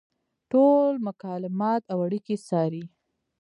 ټول مکالمات او اړیکې څاري.